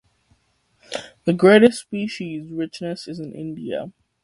The greatest species richness is in India.